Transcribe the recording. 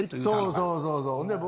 そうそうそうそう。